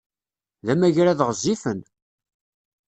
D amagrad ɣezzifen!